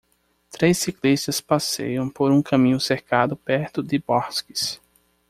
Três ciclistas passeiam por um caminho cercado perto de bosques.